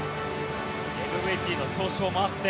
ＭＶＰの表彰もあって。